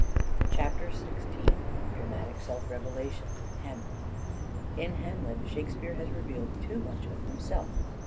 CHAPTER XVI DRAMATIC SELF REVELATION : HAMLET " IN Hamlet Shakespeare has revealed too much of himself."